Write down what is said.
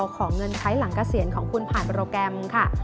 ของเงินใช้หลังเกษียณของคุณผ่านโปรแกรมค่ะ